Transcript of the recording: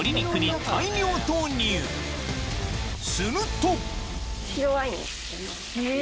するとえ！